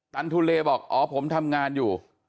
ตันทุเลบอกอ๋อผมทำงานอยู่